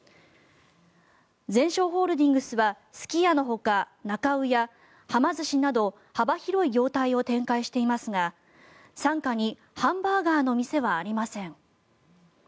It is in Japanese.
ゼンショーホールディングスはすき家のほかなか卯やはま寿司など幅広い業態を展開していますが傘下にハンバーガーの店はありません。